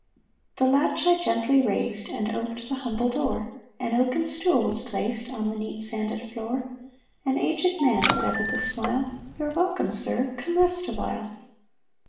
The latch I gently raised, And oped the humble door; An oaken stool was placed On the neat sanded floor; An aged man Said with a smile, "You're welcome, sir: Come rest a while."